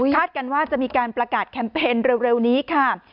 กันว่าจะมีการประกาศแคมเปญเร็วนี้ค่ะ